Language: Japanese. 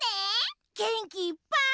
げんきいっぱい！